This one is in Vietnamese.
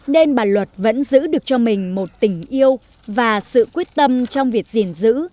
nên bà luật vẫn giữ được cho mình một tình yêu và sự quyết tâm trong việc gìn giữ